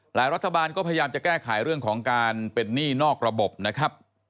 รัฐบาลก็พยายามจะแก้ไขเรื่องของการเป็นหนี้นอกระบบนะครับ